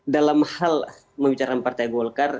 dalam hal membicarakan partai golkar